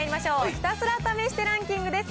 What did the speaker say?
ひたすら試してランキングです。